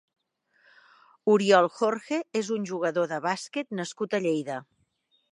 Oriol Jorge és un jugador de bàsquet nascut a Lleida.